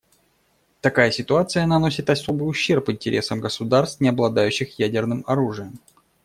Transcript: Такая ситуация наносит особый ущерб интересам государств, не обладающих ядерным оружием.